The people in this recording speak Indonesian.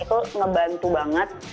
itu ngebantu banget